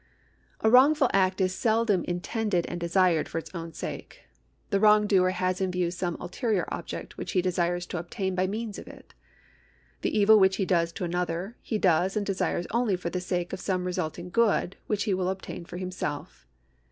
A wrongful act is seldom intended and desired for its own sake. The wrongdoer has in view some ulterior object which he desires to obtain by means of it. The evil which he does to another, he does and desires only for the sake of some resulting good which he will obtain for himself.